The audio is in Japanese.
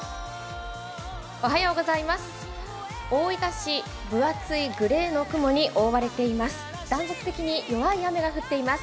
大分市、分厚いグレーの雲に覆われています。